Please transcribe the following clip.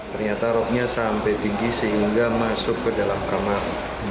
ternyata ropnya sampai tinggi sehingga masuk ke dalam kamar